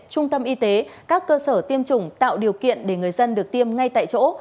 trung tâm y tế các cơ sở tiêm chủng tạo điều kiện để người dân được tiêm ngay tại chỗ